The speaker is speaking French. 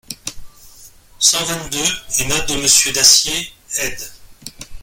cent vingt-deux, et note de Monsieur Dacier ; Éd.